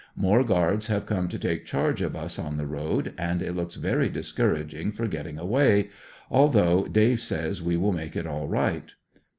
More guards have come to take charge of us on the road, and it looks very discoura>jing for getting away, a though "Dave" says we will make it all right.